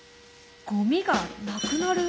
ゴミがなくなる？